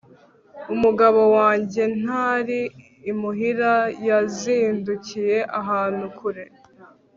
umugabo wanjye ntari imuhira, yazindukiye ahantu kure